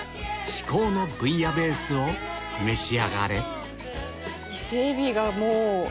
至高のブイヤベースを召し上がれ伊勢エビがもう。